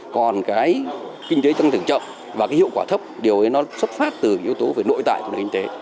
còn cái kinh tế tăng trưởng chậm và cái hiệu quả thấp điều ấy nó xuất phát từ yếu tố về nội tại của nền kinh tế